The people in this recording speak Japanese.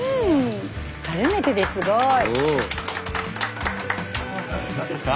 初めてですごい。